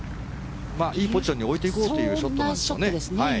いいポジションに置いていこうというショットですかね。